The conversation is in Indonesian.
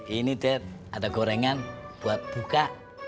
ini deh ada gorengan buat buka